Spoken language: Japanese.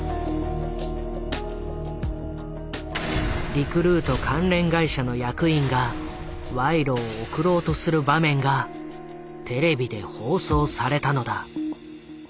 リクルート関連会社の役員が賄賂を贈ろうとする場面がテレビで放送されたのだ。